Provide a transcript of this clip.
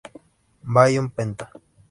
Balloon Penta